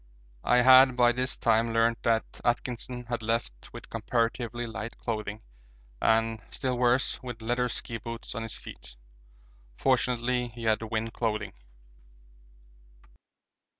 I had by this time learnt that Atkinson had left with comparatively light clothing and, still worse, with leather ski boots on his feet; fortunately he had wind clothing.